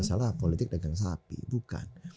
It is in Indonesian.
masalah politik dagang sapi bukan